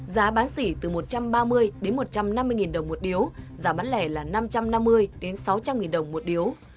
giá bán xỉ từ một trăm ba mươi đến một trăm năm mươi đồng một điếu giá bán lẻ là năm trăm năm mươi sáu trăm linh đồng một điếu